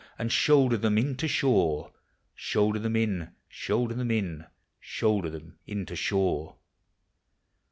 And shoulder them in ><> shore,— r Shoulder them in. shoulder I hem in, Shoulder them in to shore.